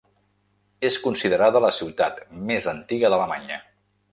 És considerada la ciutat més antiga d’Alemanya.